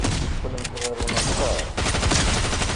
Qqlent ɣer uneɣsar.